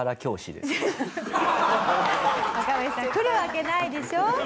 若林さん来るわけないでしょ。